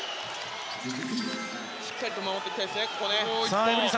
しっかりと守っていきたいですね。